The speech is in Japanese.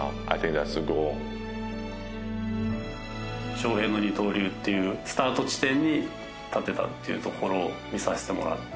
翔平の二刀流っていうスタート地点に立てたっていうところを見させてもらって。